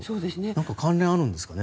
何か関連があるんですかね